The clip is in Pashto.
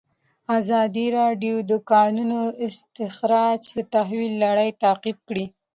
ازادي راډیو د د کانونو استخراج د تحول لړۍ تعقیب کړې.